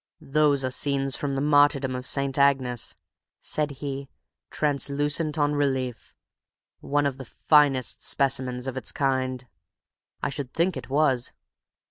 "Those are scenes from the martyrdom of St. Agnes," said he ... "'translucent on relief ... one of the finest specimens of its kind.' I should think it was!